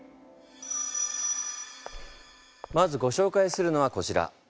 まずご紹介するのはこちら。